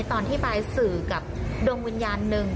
ตอนที่บายสื่อกับดวงวิญญาณหนึ่ง